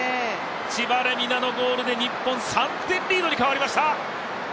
千葉玲海菜のゴールで日本、３点リードに変わりました。